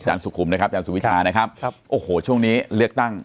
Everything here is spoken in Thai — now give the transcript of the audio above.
สุขุมนะครับอาจารย์สุวิชานะครับโอ้โหช่วงนี้เลือกตั้ง